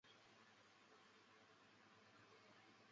裂苞香科科为唇形科香科科属下的一个种。